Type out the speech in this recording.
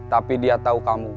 tapi dia tau kamu